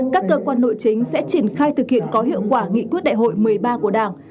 các cơ quan nội chính sẽ triển khai thực hiện có hiệu quả nghị quyết đại hội một mươi ba của đảng